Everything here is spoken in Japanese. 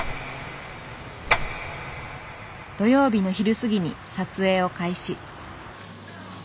土曜日の昼過ぎに撮影を開始。